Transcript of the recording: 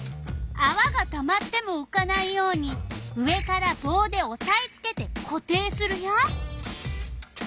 あわがたまってもうかないように上からぼうでおさえつけてこ定するよ。